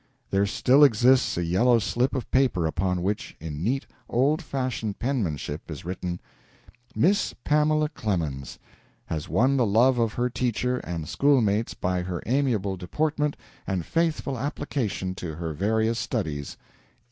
There still exists a yellow slip of paper upon which, in neat, old fashioned penmanship is written: MISS PAMELA CLEMENS Has won the love of her teacher and schoolmates by her amiable deportment and faithful application to her various studies.